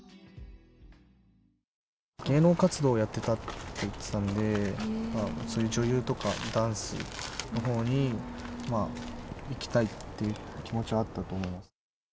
芸能活動をやってたって言ってたんで、そういう女優とか、ダンスのほうに、まあ、いきたいって気持ちはあったと思います。